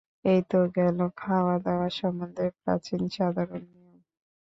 এই তো গেল খাওয়া-দাওয়া সম্বন্ধে প্রাচীন সাধারণ নিয়ম।